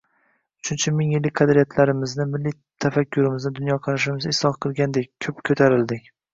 uchinchi ming yillik qadriyatlarimizni, milliy tafakkurimizni, dunyoqarashimizni isloh qilgandek, ko'p ko'tarildik